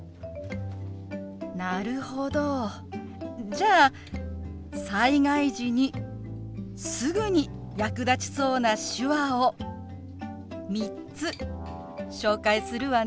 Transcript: なるほどじゃあ災害時にすぐに役立ちそうな手話を３つ紹介するわね。